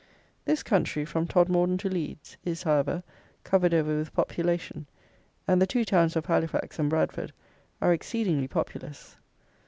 This country, from Todmorden to Leeds, is, however, covered over with population, and the two towns of Halifax and Bradford are exceedingly populous.